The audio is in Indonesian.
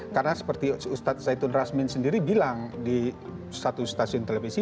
karena seperti ustadz zaitun razmin sendiri bilang di satu stasiun televisi